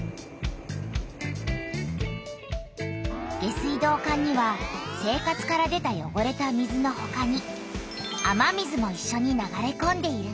下水道管には生活から出たよごれた水のほかに雨水もいっしょに流れこんでいる。